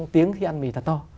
tiếng khi ăn mì thật to